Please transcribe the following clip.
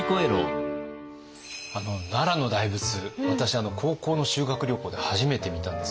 奈良の大仏私高校の修学旅行で初めて見たんです。